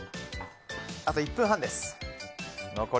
あと１分半です。